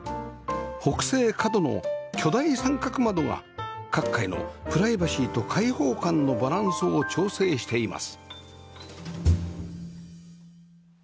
北西角の巨大三角窓が各階のプライバシーと開放感のバランスを調整しています